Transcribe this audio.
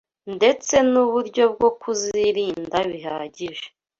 ndetse n’uburyo bwo kuzirinda bihagije